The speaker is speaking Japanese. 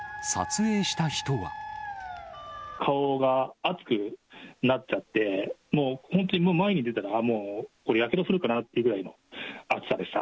顔が熱くなっちゃって、もう本当に前に出たら、もうこれ、やけどするかなくらいの熱さでした。